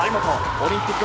オリンピック